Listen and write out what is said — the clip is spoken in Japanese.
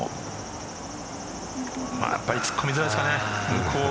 やっぱり突っ込みずらいですからね。